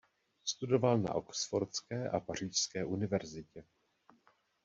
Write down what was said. Studoval na oxfordské a pařížské univerzitě.